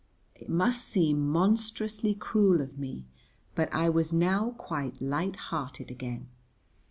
It must seem monstrously cruel of me, but I was now quite light hearted again.